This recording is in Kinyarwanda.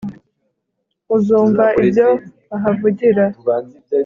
uzumva ibyo bahavugira